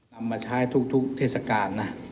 นำมาใช้ทุกเทศกาลนะ